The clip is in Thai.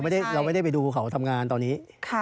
เราไม่ได้ไปดูเขาทำงานตอนนี้